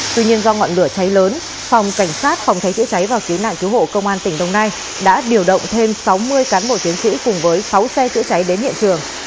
tuy nhiên do ngọn lửa cháy lớn phòng cảnh sát phòng cháy chữa cháy và cứu nạn cứu hộ công an tỉnh đồng nai đã điều động thêm sáu mươi cán bộ chiến sĩ cùng với sáu xe chữa cháy đến hiện trường